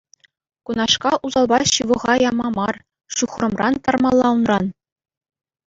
Кунашкал усалпа ҫывӑха яма мар, ҫухрӑмран тармалла унран.